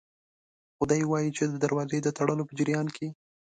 خو دی وايي چې د دروازې د تړلو په جریان کې